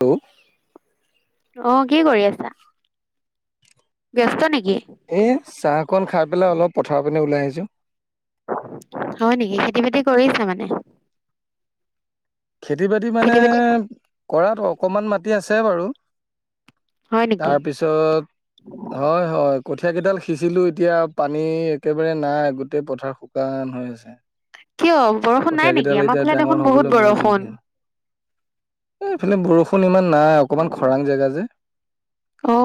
তো অ কি কৰি আছা? ব্যস্ত নেকি? এ চাহ কন খাই পেলাই অলপ পথাৰ পিনে ওলাই আহিছো [inaudible] হয় নিকি খেতি বাতি কৰিছা মানে খেতি বাতি মানে খেতি বাতি কৰাত অকমান মাটি আছে বাৰু৷ হয় নেকি তাৰপিছত হয় হয় কঠিয়া কেইডাল সিঁচিলো এতিয়া পানী একেবাৰে নাই গোটেই পথাৰ শুকান হৈ আছে কিয় বৰষুণ কঠীয়া নাই কেইডাল নেকি? এতিয়া আমাৰ ফালে ডাঙৰ দেখোন বহুত বৰষুণ৷ এই এইফালে বৰষুণ ইমান নাই অকমান খৰাং জেগা যে অ'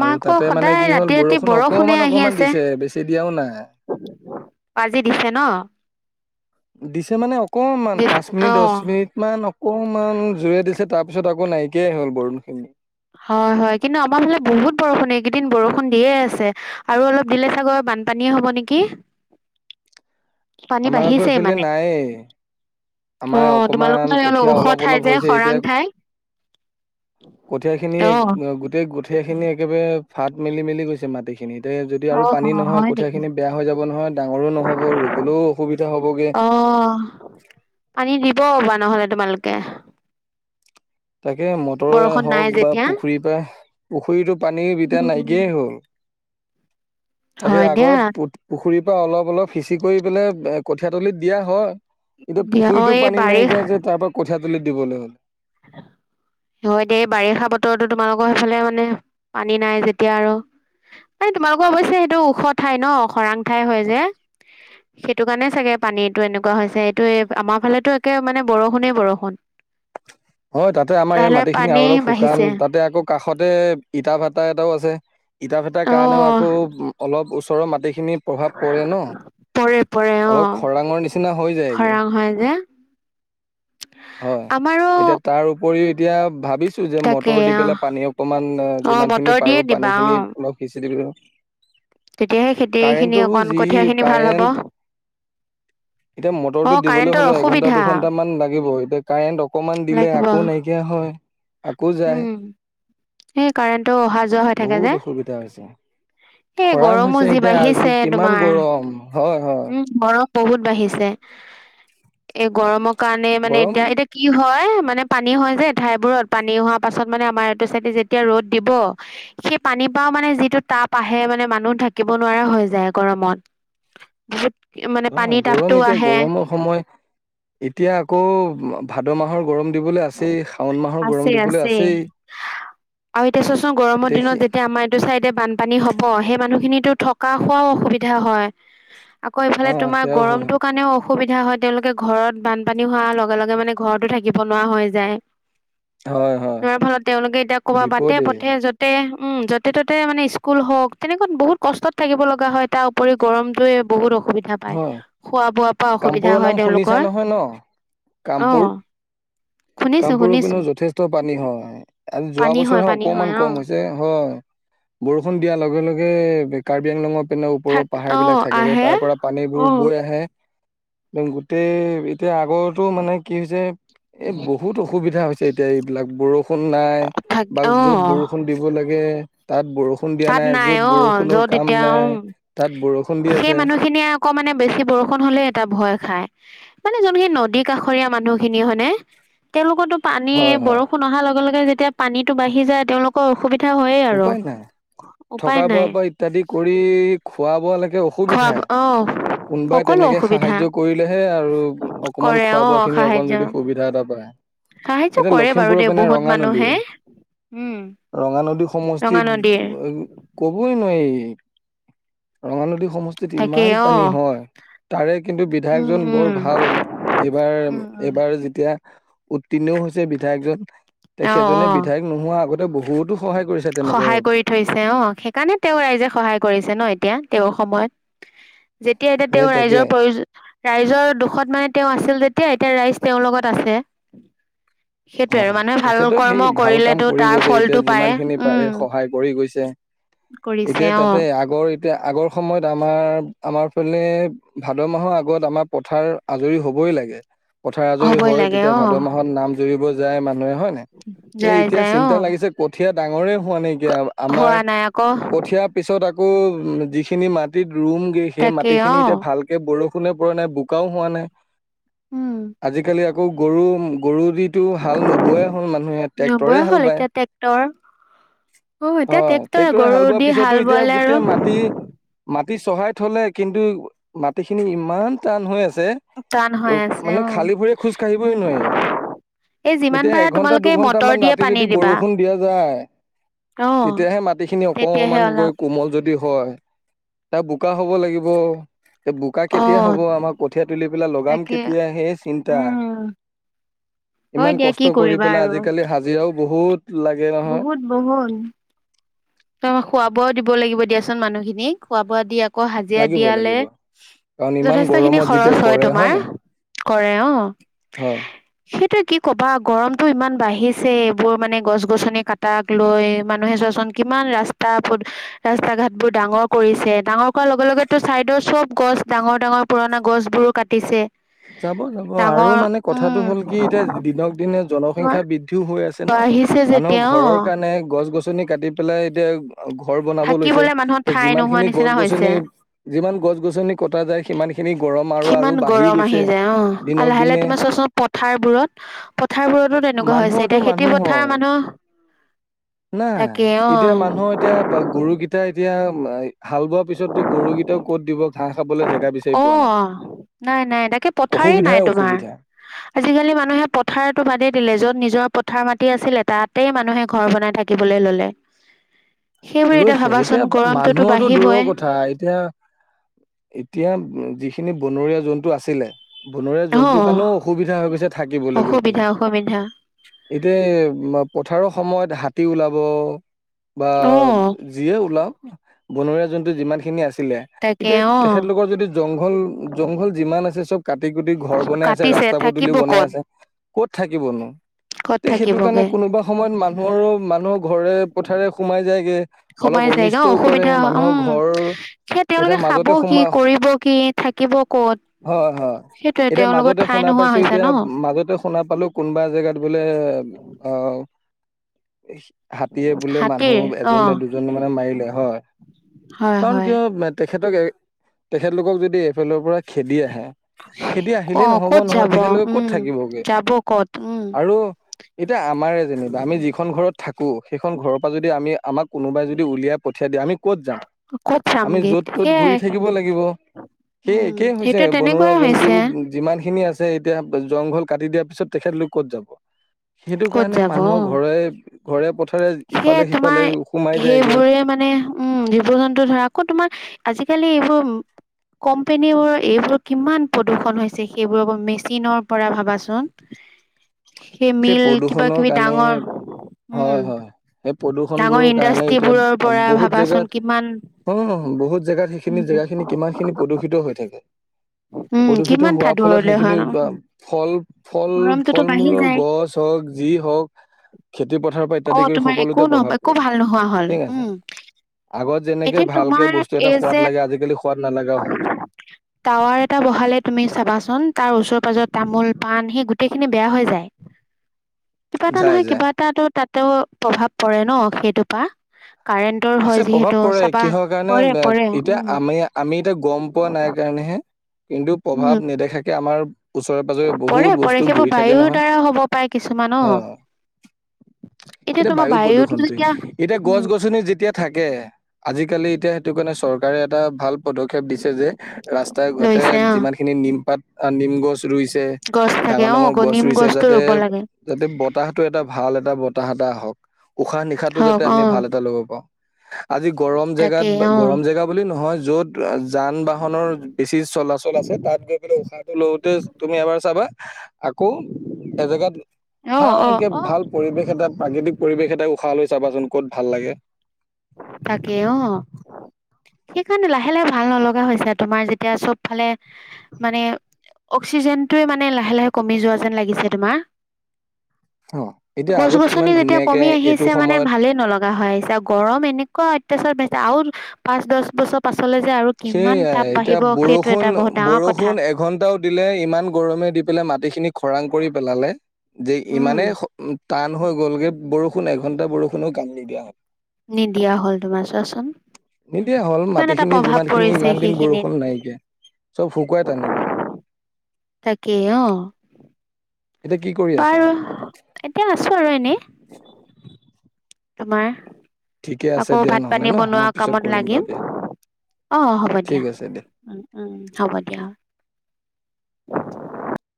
আৰু আকৌ তাতে মানে সদায় কি হ'ল ৰাতি ৰাতি বৰষুণ বৰষুণে অকমান আহি অকমান আছে। দিছে বেছি দিয়াও নাই। আজি দিছে ন? দিছে মানে অকণমান দি পাঁচ মিনিত অ দছ [unintelligible] অকমান জোৰে দিছে তাৰপিছত আকৌ নাইকিয়াই হল বৰণখিনি হয় হয় কিন্তু আমাৰ ফালে বহুত বৰষুণ এইকেইদিন বৰষুণ দিয়ে আছে আৰু অলপ দিলে চাগৈ বানপানীয়ে হ'ব নেকি। পানী আমাৰ আকৌ বাঢ়িছেই এইফালে মানে নাই অ আমাৰ অকমান তোমালোকৰ কঠীয়া ওখ অলপ ঠাই অলপ যে হৈছে খৰাং এতিয়া ঠাই কঠীয়াখিনি অ' গোটেই গোট গোটেই খিনি একেবাৰে ফাট মেলি মেলি গৈছে মাটিখিনিত। দে যদি আৰু পানী অ নহয় হয় নেকি কঠীয়াখিনি বেয়া হৈ যাব নহয়, ডাঙৰো নহ'ব, ৰুবলৈও অসুবিধা হ'বগে। অ পানী দিব পাবা নহ'লে তোমালোকে তাকে মটৰ বৰষুণ নাই হওঁক বা যেতিয়া পুখুৰীৰ পাৰে পুখুৰীতো পানীৰ দুটা উম। নাইকিয়াই হ'ল তাকে হয় দিয়া আগত পু পুখুৰীত অলপ অলপ সিচি কৰি পেলাই কঠিয়া তলিত দিয়া হয়। কিন্তু দিয়া অ পুখুৰীতটো এই পানী বাৰিষ নাইকিয়া যে তাৰ পৰা কঠিয়া কঠীয়া তলিত দিবলৈ [unintelligible] হয় দে বাৰিষা বতৰতো তোমালোকৰ সেইফালে মানে পানী নাই যেতিয়া আৰু মান তোমালোকৰ অৱশ্যে সেইটো ওখ ঠাই ন খৰাং ঠাই হয় যে সেইটো কাৰণে চাগে পানীটো এনেকুৱা হৈছে, এইটো আমাৰ ফালেতো একে মানে বৰষুণেই বৰষুণ হয়, তাতে আমাৰ লাহে এই লাহে মাটিখিনি পানী আৰু অলপ শুকান। বাঢ়িছে তাতে আকৌ কাষতে ইটা ভাটা এটাও আছে। ইটা ভাটাৰ অ কাৰণেও আকৌ অলপ ওচ ওচৰৰ মাটি খিনি প্ৰভাৱ পৰে ন পৰে পৰে অ অলপ খৰাং নিচিনা হৈ যায়গৈ খৰাং হয় যে হয়। আমাৰো এতিয়া তাৰ উপৰি এতিয়া ভাবিছোঁ যে তাকে মটৰ দি অ পেলাই পানী অকণমান অ যিমানখিনি মটৰ দিয়ে পাৰোঁ দিবা অ পানীখিনি অলপ সিঁচি দিব তেতিয়াহে খেতি খিনি অকণ যি কঠিয়া খিনি ভাল হব কাৰেণ্ট এতিয়া অ মটৰটো দিবলৈ কাৰেণ্টৰ হলেও এঘন্টা অসুবিধা দুঘন্টাামান লাগিব এতিয়া কাৰেণ্ট অকমান দিলে লাগিব আকৌ নাইকিয়া হয় আকৌ যায় উম এই কাৰেণ্টটো অহা যোৱা হৈ থাকে বহুত যে অসুবিধা হৈছে। এই খৰাং গৰমো হৈছে যি এতিয়া আকৌ বাঢ়িছে কিমান তোমাৰ গৰম হয় হয় উম গৰ বহুত বাঢ়িছে এই গৰমক কাৰণে মানে গৰম এতিয়া এতিয়া কি হয় মানে পানী হয় যে ঠাইবোৰত পানী হোৱা পাছত মানে আমাৰ চাই যেতিয়া ৰ'দ দিব সেই পানীৰ পৰাও মানে যিটো তাপ আহে মানে মানুহ ঢাকিব নোৱাৰা হৈ যায় গৰমত বহুত মানে অ পানীৰ তাপটো গৰম এতিয়া আহে গৰমৰ সময় এতিয়া আকৌ ভাত দ মাহৰ গৰম দিবলৈ আছেই শাওণ মাহৰ গৰম আছে, দিবলৈ আছে, আছেই আৰু এতিয়া চোৱাচোন গৰমৰ দিনত দেখি যেতিয়া আমাৰ এইটো চাইদে বানপানী হ'ব, সেই মানুহখিনিতো থকা খোৱাও অসুবিধা হয়। আকৌ অ এইফালে তোমাৰ সেয়াও হয় গৰমটোৰ কাৰণেও। অসুবিধা হয়, তেওঁলোকে ঘৰত বানপানী হোৱাৰ লগে লগে মানে ঘৰতো থাকিব। নোৱাৰ হৈ যায়। হয় হয় যোৱাৰ ফলত তেওঁলোকে এতিয়া কৰ'বা বাটতে বিপদেই পথে য'তে উম, য'তে-ত'তে মানে স্কুল হওঁক, তেনেকুৱাত বহুত কষ্টত থাকিব লগা হয়। তাৰ উপৰিও গৰমটোৱে বহুত অসু সুবিধা পায়! হয় খোৱা-বোৱা কামপুৰৰ নাম শুনিছা নহয় ন' অ কামপুৰ। শুনিছো কামপুৰৰ শুনিছো পিনেও যথেষ্ট পানী হয়। আজি যোৱা পানী হয় বছৰহে পানী হয় অকমান অ কম হৈছে হয়, বৰষুণ দিয়াৰ লগে লগে কাৰ্বি আংলংক পিনে ওপৰৰ থাক পাহাৰ অ বিলাক থাকে যে, আহে তাৰ পৰা অ পানীবোৰ বৈ আহে। এই, গোটেই এতিয়া আগৰতো মানে কি হৈছে এ বহুত অসুবিধা হৈছে এতিয়া এইবিলাক বৰষূণ বৰষুণ নাই, থাক অ [unintelligible] য'ত বৰষুণ দিব লাগে তাত বৰষুণ দিয়া তাত নাই য'ত অ', বৰষুণৰ য'ত কাম এতিয়া নাই উম, তাত বৰষুণ দি সেই আছে মানুহখিনিয়ে আকৌ মানে বেছি বৰষুণ হ'লে এটা ভয় খাই! মানে জোনখিনি নদী কাষৰীয়া মানুহ খিনি হয়নে, তেওঁলোকৰতো পানী, হয় হয় বৰষুণ অহাৰ লগে-লগে যেতি তিয়া পানীটো বাঢ়ি যায়, তেওঁলোকৰ অসুবিধা হয়েই আৰু উপায় নাই উপায় থকা নাই বোৱাৰ পৰা ইত্যাদি কৰি খোৱা বোৱা লাগে খোৱা অসুবিধাই অ কোনোবাই সকলো তেনেকে অসুবিধা সাহায্য কৰিলেহে আৰু অকমান কৰে খোৱা অ বোৱা খিনি সাহায্য অকমান যদি সুবিধা এটা পায়। সাহায্য এতিয়া কৰে বাৰু লখিমপুৰৰ দে পিনে বহুত ৰঙা নদী মানুহে উম। ৰঙা নদী সমষ্টিত কবই নোৱাৰি ৰঙা নদী সমষ্টিত তাকেই ইমান অ পানী হয় তাৰে কিন্তু উম বিধায়কজন বৰ উম ভাল। এইবাৰ এইবাৰ যেতিয়া উত্তীৰ্ণও হৈছে বিধায়কজন। অ অ তেখেতজনে বিধায়ক নোহোৱা আগতে বহুতো সহায় কৰিব। সহায় কৰি থৈছে অ' সেইকাৰণে তেওঁ ৰাইজে সহায় কৰিছে ন এতিয়া। তেওঁৰ সময়ত যেতিয়া এতিয়া তেওঁ এই তাকে ৰাইজৰ প্ৰয়ো ৰাইজৰ দুখত মানে তেওঁ আছিল যে তেতিয়া এতিয়া ৰাইজ তেওঁৰ লগত আছে। সেইটোয়ে আৰু মানুহে ভাল তেখেতে কৰ্ম সেই ভাল কাম কৰিলেতো কৰি তাৰ গৈছে এতিয়া ফলটো পায়। যিমান খিনি পাৰে উম সহায় কৰি গৈছে, কৰিছে এতিয়া অ তাতে আগৰ এতিয়া আগৰ সময়ত আমাৰ আমাৰ ফালে ভাদ মাহৰ আগত আমাৰ পথাৰ আজৰি হ'বই লাগে। পথাৰ আজৰি হ'বই হয়, লাগে তেতিয়া অ ভাদ মাহত নাম জুৰিব যায় মা নুহে হয় নাই, এই যাই এতিয়া যাই অ চিন্তা লাগিছে কঠিয়া ডাঙৰে হোৱা নাই এতিয়া আমাৰ হোৱা নাই আকৌ কঠিয়াৰ পিছত আকৌ যিখিনি মাটিত ৰুমগে সেই তাকে মাটি অ খিনি এতিয়া ভালকে বৰষুণ সোনে পৰা নাই, বোকাও হোৱা নাই। উম আজিকালি আকৌ গৰু গৰু দি হাল নোবোৱাই হ'ল মানুহে ট্ৰেক্টৰে নবৌয়ে হাল হ'ল বায় এতিয়া ট্ৰেক্টৰ এতিয়া অ', ট্ৰেক্টৰে গৰু হাল বোৱাৰ দি পিছতো হাল এতিয়া বোৱালে গোটে আৰু মাটি মাটি চহাই থ'লে কিন্তু মাটিখিনি ইমান টান হৈ আ চে, টান হৈ আছে মানে অ খালী ভৰি খোজ কাঢ়িবই নোৱাৰি। এই যিমান এতিয়া পাৰা এঘন্টা তোমালোকে দুঘন্টা মটৰ মান দিয়ে ৰাতি পানী যদি দিবা বৰষুণ দিয়া যায়, অ তেতিয়াহে মাটিখিনি তেতিয়াহে অকমান গৈ অলপ কোমল যদি হয় তাৰ বোকা হ'ব লাগিব। এই বোকা অ কেতিয়া হ'ব আমাৰ কঠীয়া তুলি পেলাই লগাম তাকে কেতিয়া সেইয়ে চিন্তা। উম হয় ইমান দিয়া কি কষ্ট কৰি কৰিবা পেলাই আৰু আজিকালি হাজিৰাও বহুত লাগে নহয় বহুত বহল [unintelligible] খোৱা বোৱাও দিব লাগি দিব দিয়াচোন মানুহখিনি, খোৱা বোৱা দি আকৌ হাজিৰা লাগিব দিয়ালে, লাগিব। কাৰণ ইমান যথেষ্ট খিনি গৰমত খৰচ যেতিয়া হয় কৰে তোমাৰ, নাই কৰে অ', হয় সেই এতিয়া কি ক'বা গৰমটো ইমান বাঢ়িছে এইবোৰ মানে গছ গছনি কাটাক লৈ মানুহে চোৱাচোন কিমান ৰাস্তা পদ ৰাস্তা ঘাট বোৰ ডাঙৰ কৰিছে, ডাঙৰ কৰাৰ লগে- লগে চাইডৰ চব গছ ডাঙৰ-ডাঙৰ পুৰণা গছ বোৰো কাটিছে। যাব-যাব আৰু ডাঙৰ মানে কথাটো উম হ'ল কি এতিয়া দিনক দিনে তোমাৰ জনসংখ্যা বৃদ্ধিও হৈ আছে ন, বাঢ়িছে যেতিয়া মানুহৰ অ ঘৰৰ কাৰণে গছ গছনি কাটি পেলাই এতিয়া ঘৰ বনাব লৈছে, থাকিবলে মানুহৰ তে ঠাই যিমান নোহোৱা খিনি নিচিনা গছ হৈছে গছনি যিমান গছ গছনি কটা যায় সিমান খিনি গৰম আৰু-আৰু বাঢ়ি গৈছ ল যে অ', আৰু লাহে-লাহে তোমাৰ চোৱাচোন পথাৰবোৰত, পথাৰবোৰতো তেনেকুৱা হৈছে মানুহৰটো এতিয়া খেতি পথাৰ মানুহৰ মানুহ নাই তাকে অ এতিয়া মানুহ এতিয়া গৰুকেইটা এতিয়া এতিয়া হাল বোৱাৰ পিছতো গৰুকেইটাও ক'ত দিব ঘাঁহ। খাবলৈ জেগা বিচাৰি অ' পোৱা নাযায় নাই নাই, তাকে পথাৰেই নাই অসুবিধাই তোমাৰ, অসুবিধা আজিকালি মানুহে পথাৰতো বাদেই দিলে যত নিজৰ কঠাৰ মাটি আছিলে তাত গোটেই মানুহে ঘৰ বনাই থাকিব। ললে সেইবোৰ লৈছে, ভাবাচোন এতিয়া গৰমটোতো মানুহৰো দূৰৰ বাঢ়িবই কথা, এতিয়া এতিয়া যিখিনি বনৰীয়া জন্তু আছিলে বনৰীয়া অ জন্তুৰ কাৰণেও অসুবিধা হৈ গৈছে থাকিবলৈ গৈ অসুবিধা পেলাই, অসুবিধা এতিয়া পথাৰৰ সময়ত হাতী ওলাব। বা অ যিয়ে ওলাওক। বনৰীয়া যোনটো যিমান খিনি আছে ছিলে, তাকে এতিয়া অ তেখেতলোকৰ যদি জংঘল জংঘল যিমান আছে চব কাটি কুটি ঘৰ বনাই আছে কাটিছে ৰাস্তা পদূলি থাকিব বনাই ক'ত আছে। ক'ত থাকিবনো? ক'ত তে সেইটো কাৰণে থাকিবগে কোনোবা সময়ত মানুহৰো মানুহ ঘৰে পথাৰে সোমাই যায়গে। অলপ সোমাই যায়গে অ অনিষ্টও কৰে অসুবিধা মানুহৰ উম ঘৰ সেই এতিয়া তেওঁলোকে খাব মাজতে কি সোমাই, কৰিব কি থাকিব ক'ত হয় হয়, সেইটোৱে এতিয়া তেওঁলোকৰ মাজতে ঠাই শুনা নোহোৱা পাইছো হৈছে এতিয়া ন মাজতে শুনা পালো কোনোবা জেগাত বোলে অ' হাতীয়ে বোলে হাতীৰ মানুহ এ অ জনে দুজনে মানে মাৰিলে হয়। হয় কাৰণ হয় কিয় তেখেতক তেখেতলোকক যদি এফালৰ পৰা খেদি আহে। খেদি ক আহিলেই নহ'ব ক'ত নহয় যাব, তেখেতলোকে ক'ত উম, থাকিবগে যাব ক'ত উম। আৰু এতিয়া আমাৰে যেনিবা আমি যিখন ঘৰত থাকো [unintelligible] সেইখন ঘৰৰ পৰা যদি আমি আমাক কোনোবাই যদি উলিয়াই পঠিয়াই দিয়া আমি ক'ত যাম, ক'ত আমি চামগেত য'ত ত'ত সেয়াই ঘূৰি থাকিব লাগিব, সেই উম একেই হৈছে সেইটো তেনেকুৱাই বনৰীয়া হৈছে জন্তুও যিমান খিনি আছে। এতিয়া জংঘল কাটি দিয়াৰ পিছত তেখেতলোক ক'ত যাব? সেইটো ক'ত কাৰণে যাব মানুহৰ অ', ঘৰে ঘৰে, পথাৰে সেয়ে ইফালে সিফালে তোমাৰ সোমাই যায়গে সেইবোৰে মানে, উম জীৱ জন্তু ধৰা, আকৌ তোমাৰ আজিকালি এইবোৰ কোম্পনী বোৰৰ এইবোৰ কিমান প্ৰদূৰ্ষন হৈছে সেইবোৰ মেচিনৰ পৰা ভাবাচোন। [inaudible] সেই এমিল কাৰণে হয় হয় সেই ডাঙৰ প্ৰদূষণবোৰৰ কাৰণে এতিয়া ইণ্ডাষ্ট্ৰিবোৰৰ পৰা বহুত ভাবাচোন জেগাত, কিমান হম হম বহুত জেগাত উম সেইখিনি জেগা খিনি কিমান খিনি প্ৰদূষিত হৈ থাকে। উম প্ৰদূষিত কিমান ঠাই হোৱাৰ ফলত দূৰলৈ হয় সেইখিনি ন। উম আহ ফল ফল গৰমটোতো ফল বাঢ়ি মূলৰ যায় গছ হওঁক যি হওঁক, খেতি পথাৰৰ পৰা অ ইত্যাদি কৰি, তোমাৰ একো সকলোতে নহ প্ৰভাৱ একো পৰে ভাল নোহোৱা হ'ল ঠিক আছে, উম আগত যেনেকে এতিয়া ভালকে তোমাৰ বস্তু এটা এই সোৱাদ যে লাগে আজিকালি সোৱাদ নালাগাও হল। টাৱাৰ এটা বহালে তুমি চাবাচোন তাৰ ওচৰে পাজৰ তামোল পাণ সেই গোটেই খিনি বেয়া হৈ যায়। কিবা এটা যায় নহয় যায়। কিবা এটাটো তাত তেও প্ৰভাৱ পৰে ন সেইটোৰ পৰা কাৰেণ্টৰ হয় আছে প্ৰভাৱ যিহেতু পৰে চাবা কিহৰ কাৰণে পৰে আহ পৰে এতিয়া উম আমি আমি এতিয়া গম পোৱা নাই কাৰণেহে কিন্তু উম প্ৰভাৱ নেদেখাকে আমাৰ ওচৰে পাজৰে পৰে বহুত পৰে বস্তু সেইবোৰ ঘূৰি থাকে বায়ুৰ নহয় দ্বাৰা হ'ব পাৰে কিছুমান অ অহ এতিয়া তোমাৰ বায়ু বায়ুতো প্ৰদূষণটোৱে যেতিয়া এতিয়া গছ উম গছনি যেতিয়া আজিকালি এতিয়া সেইটো কাৰণে চৰকাৰে এটা ভাল পদ ক্ষেপ দিছে যে ৰাস্তাই ঘাটে লৈছে অ যিমানখিনি নিমপাত, আহ নিম গছ ৰুইছে গছ থাকে ডাঙৰ অ ডাঙৰ গ গছ নিম ৰুইছে গছটো যাতে ৰুব লাগে যাতে বতাহটো এটা ভাল এটা বতাহ এটা আহক উশাহ নিশাহটো হওক যাতে অ আমি ভাল এটা ল'ব পাওঁ আজি গৰম তাকে জেগাত অ গৰম জেগা বুলি নহয় য'ত যান বাহনৰ বেছি চলাচল আছে তাত গৈ পেলাই উশাহটো লওঁতে তুমি এবাৰ চাবা আকৌ এজেগাত অ অ ভালকে অ ভাল পৰিৱেশ এটাত প্ৰাকৃতিক পৰিৱেশ এটাত উশাহ লৈ চাবাচোন ক'ত ভাল লাগে। তাকে অহ, সেইকাৰণে লাহে লাহে ভাল নলগা হৈছে তোমাৰ যেতিয়া চব ফালে মানে অক্সিজেনটোৱে মানে লাহে লাহে কমি যোৱা যেন লাগিছে তোমাৰ অ এতিয়া গছ আগত কিমান গছনি যেতিয়া ধুনীয়াকে কমি আহি এইটো আছে মানে সময়ত ভালে নল গা হৈ আহিছে আৰু গৰম এনেকুৱা অত্যাচাৰ বাঢ়িছে আৰু পাঁচ দহ বছৰ পাছ সেইয়াই এতিয়া এটা বৰষুণ বহুত ডাঙৰ কথা বৰষুণ এঘন্টাও দিলে ইমান গৰমে দি পেলাই মাটিখিনি খৰাং কৰি পেলালে যে উম ইমানেই হ উম টান হৈ গ'লগে বৰষুণ এঘন্টা বৰষুণো কাম নিদিয়া হ'ল, নিদিয়া হল তোমাৰ চোৱাচোন, কিমান এটা প্ৰভাৱ খিনি পৰিছে ইমান দিন সেইখিনিত বৰষুণ নাই কিয়া, চব শুকুৱাই টানি পেলাই। তাকেই অহ। এতিয়া কি কৰি আছা বাৰু, এতিয়া আছো আৰু এনেই। তোমাৰ? ঠিকে আছে আকৌ দিয়া ভাত নহ'লে পানী ন মই বনোৱা পিছত কামত কৰিম লাগিম বাৰু দিয়া অ' হ'ব ঠিক দিয়া আছে উম হ'ব দিয়া। [inaudible]